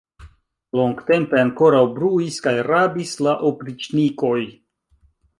Longtempe ankoraŭ bruis kaj rabis la opriĉnikoj.